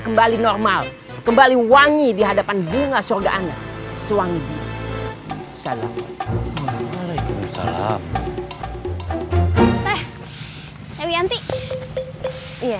kembali normal kembali wangi di hadapan bunga surga anak suami salam salam teh dewi anti iya